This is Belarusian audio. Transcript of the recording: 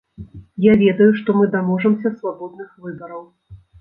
Я ведаю, што мы даможамся свабодных выбараў.